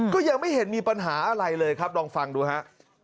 ก็ยังไม่เห็นมีปัญหาอะไรเลยครับลองฟังดูฮะ